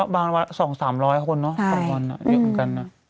จำนวนได้ไม่เกิน๕๐๐คนนะคะ